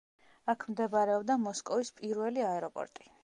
აქ მდებარეობდა მოსკოვის პირველი აეროპორტი.